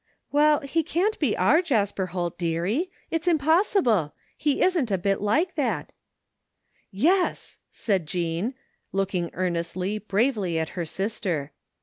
" Well, he can't be our Jasper Holt, dearie — ^it's impossible. He isn't a bit like that "" Yes,'' said Jean, looking earnestly, bravely at her sister.